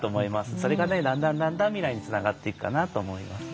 それがねだんだんだんだん未来につながっていくかなと思います。